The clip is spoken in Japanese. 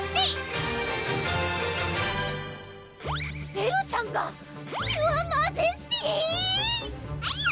エルちゃんがキュアマジェスティ⁉える！